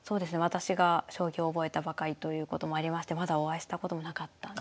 私が将棋を覚えたばかりということもありましてまだお会いしたこともなかったんですよね。